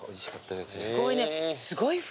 すごいね。